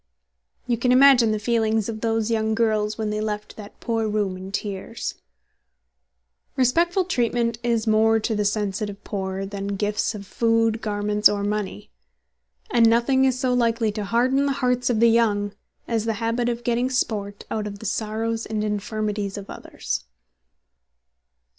You can imagine the feelings of those young girls when they left that poor room in tears. Respectful treatment is more to the sensitive poor than gifts of food, garments or money; and nothing is so likely to harden the hearts of the young as the habit of getting sport out of the sorrows and infirmities of others.